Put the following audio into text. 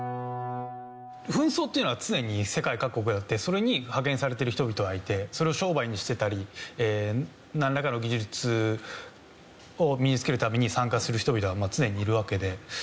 紛争っていうのは常に世界各国であってそれに派遣されている人々がいてそれを商売にしてたりなんらかの技術を身に付けるために参加する人々は常にいるわけで。